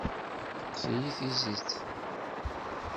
Teqqes-iyi tizit.